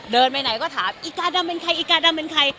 ไปไหนก็ถามอีกาดำเป็นใครอีกาดำเป็นใคร